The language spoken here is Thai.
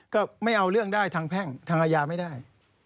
ก็ไม่เอาเรื่องได้ทางแพ่งทางอาญาไม่ได้